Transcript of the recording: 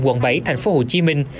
quận bảy tp hcm